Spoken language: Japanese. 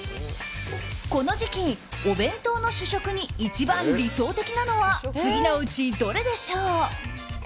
この時期、お弁当の主食に一番理想的なのは次のうち、どれでしょう？